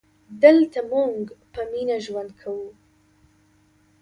دلته مونږ په مینه ژوند کوو